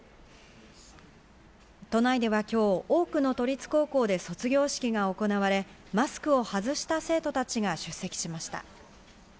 都内では今日、多くの都立高校で卒業式が行われ、マスクを外した生徒たちが出席しました。